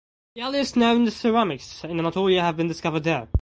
The earliest known ceramics in Anatolia have been discovered there.